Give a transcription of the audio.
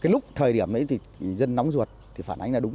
lúc thời điểm đấy thì dân nóng ruột phản ánh là đúng